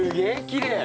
きれい。